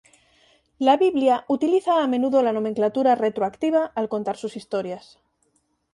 La Biblia utiliza a menudo la nomenclatura retroactiva al contar sus historias.